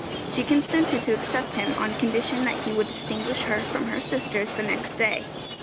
She consented to accept him on condition that he would distinguish her from her sisters the next day.